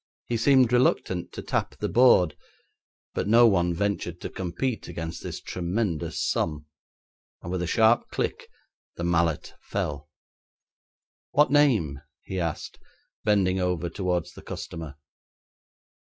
He seemed reluctant to tap the board, but no one ventured to compete against this tremendous sum, and with a sharp click the mallet fell. 'What name?' he asked, bending over towards the customer.